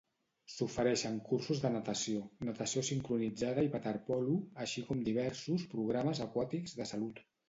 S'ofereixen cursos de natació, natació sincronitzada i waterpolo, així com diversos programes aquàtics de salut.